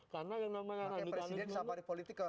karena yang namanya radikalisme